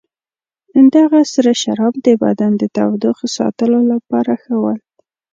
دغه سره شراب د بدن د تودوخې ساتلو لپاره ښه ول.